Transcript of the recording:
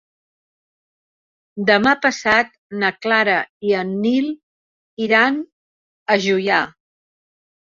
Demà passat na Clara i en Nil iran a Juià.